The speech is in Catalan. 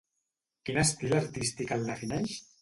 Quin estil artístic el defineix?